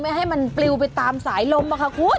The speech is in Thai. ให้มันปลิวไปตามสายลมค่ะคุณ